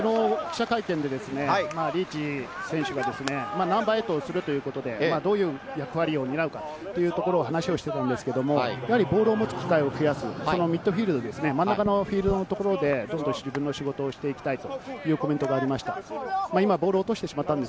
昨日、記者会見でリーチ選手がナンバー８をするということで、どういう役割を担うかというところを話をしたところですけれど、ボールを持つ機会を増やす、それもミッドフィールド、真ん中のところで自分の仕事をしていきたいというコメントがありました。